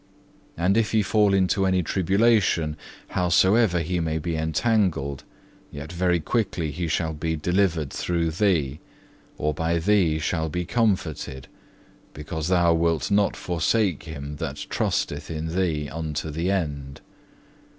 And if he fall into any tribulation, howsoever he may be entangled, yet very quickly he shall be delivered through Thee, or by Thee shall be comforted, because Thou wilt not forsake him that trusteth in Thee unto the end.